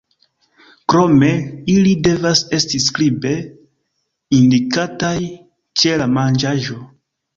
Krome ili devas esti skribe indikataj ĉe la manĝaĵo.